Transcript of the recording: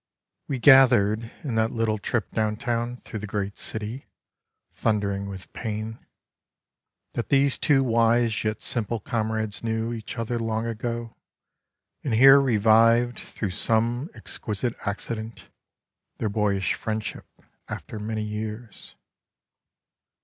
We gathered, in that little trip downtown Through the great city, thundering with pain, That these two wise yet simple comrades knew Each other long ago, and here revived. Through some exquisite accident. Their boyish friendship after many years.